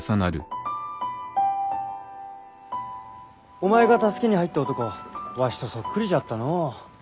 お前が助けに入った男わしとそっくりじゃったのう。